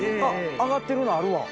上がってるのあるわ。